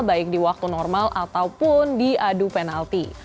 baik di waktu normal ataupun di adu penalti